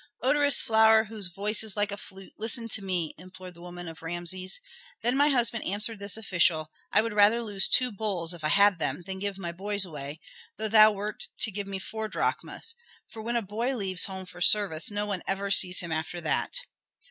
"Odorous flower, whose voice is like a flute, listen to me!" implored the woman of Rameses. "Then my husband answered this official, 'I would rather lose two bulls, if I had them, than give my boys away, though thou wert to give me four drachmas; for when a boy leaves home for service no one ever sees him after that.'"